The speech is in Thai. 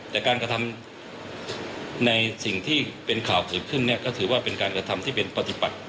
แต่การกระทำในสิ่งที่เป็นข่าวเกิดขึ้นเนี่ยก็ถือว่าเป็นการกระทำที่เป็นปฏิบัติ